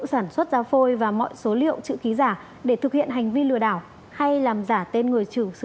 sản xuất ra phôi và mọi số liệu chữ ký giả để thực hiện hành vi lừa đảo hay làm giả tên người chử sử